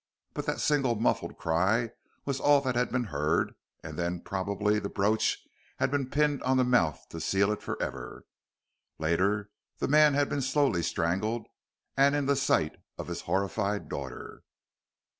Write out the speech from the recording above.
But that single muffled cry was all that had been heard, and then probably the brooch had been pinned on the mouth to seal it for ever. Later the man had been slowly strangled, and in the sight of his horrified daughter.